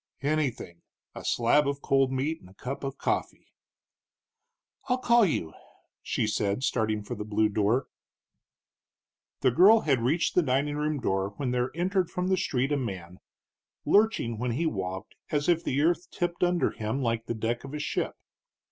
"Anything a slab of cold meat and a cup of coffee." "I'll call you," she said, starting for the blue door. The girl had reached the dining room door when there entered from the street a man, lurching when he walked as if the earth tipped under him like the deck of a ship.